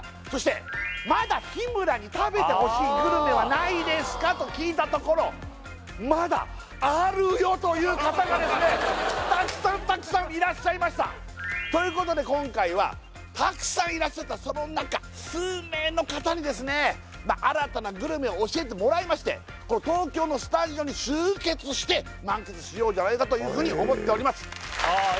そしてまだ日村に食べてほしいグルメはないですか？と聞いたところまだあるよという方がですねたくさんたくさんいらっしゃいましたということで今回はたくさんいらっしゃったその中数名の方にですねまあ新たなグルメを教えてもらいましてこの東京のスタジオに集結して満喫しようじゃないかというふうに思っております